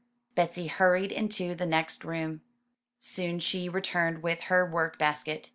Betsy hurried into the next room. Soon she re turned with her work basket.